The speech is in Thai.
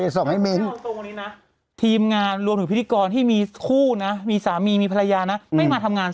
สวัสดีวันชายด้วยสีอิมพู